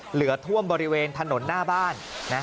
เหลือท่วมบริเวณถนนหน้าบ้าน